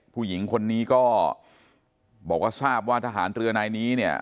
ผู้หญิงคนนี้ก็บอกว่าทหารเตรือในนี้เนี่ย